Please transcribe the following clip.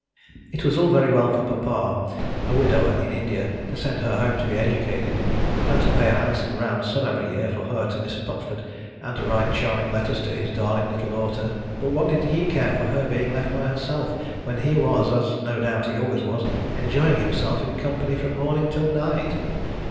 It was all very well for Papa, a widower in India, to send her home to be educated, and to pay a handsome round sum every year for her to Miss Pupford, and to write charming letters to his darling little daughter; but what did he care for her being left by herself, when he was (as no doubt he always was) enjoying himself in company from morning till night?